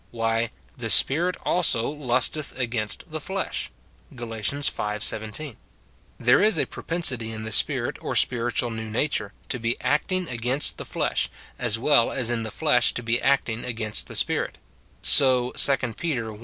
Why, "the spirit also lusteth against the flesh," Gal. v. 17. There is a propensity in the spirit, or spiritual new nature, to be acting against the flesh, as well as in the flesh to be acting against the spirit : so 2 Pet. i.